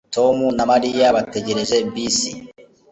Tom na Mariya bategereje bisi